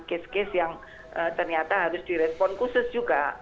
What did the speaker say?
case case yang ternyata harus di respon khusus juga